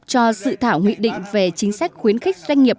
cho dự thảo nghị định về chính sách khuyến khích doanh nghiệp